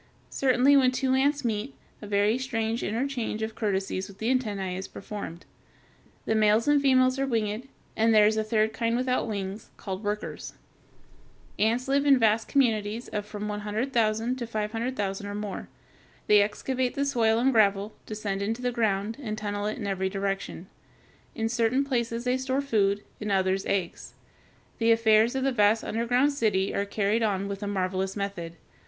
Certainly when two ants meet, a very strange interchange of courtesies with the antennæ is performed. The males and females are winged, and there is a third kind without wings, called workers. [Illustration: FIG. 244. Ants removing their young to a place of safety.] [Illustration: FIG. 245. Tunnels of ants.] Ants live in vast communities of from one hundred thousand to five hundred thousand or more. They excavate the soil and gravel, descend into the ground, and tunnel it in every direction (Fig. 245). In certain places they store food, in others eggs. The affairs of their vast underground city are carried on with a marvelous method.